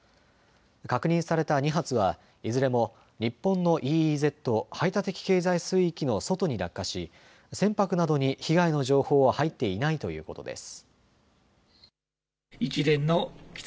確認された２発はいずれも日本のＥＥＺ・排他的経済水域の外に落下し船舶などに被害の情報は入っていないということです。